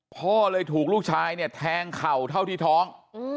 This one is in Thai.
พ่อเลยถูกลูกชายเนี่ยแทงเข่าเท่าที่ท้อง